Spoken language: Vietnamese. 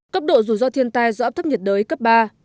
cấp độ dù do thiên tai do áp thấp nhiệt đới cấp ba